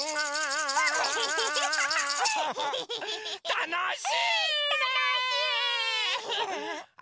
たのしいね！